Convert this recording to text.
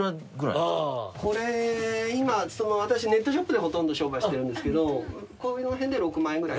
これ今私ネットショップでほとんど商売してるんですけどこの辺で６万円ぐらい。